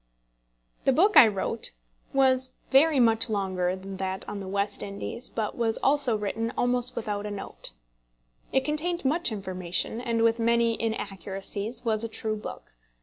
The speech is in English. The book I wrote was very much longer than that on the West Indies, but was also written almost without a note. It contained much information, and, with many inaccuracies, was a true book.